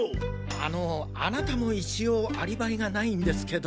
あのあなたも一応アリバイがないんですけど。